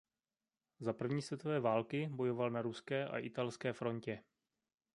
Za první světové války bojoval na ruské a italské frontě.